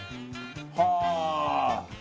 はあ！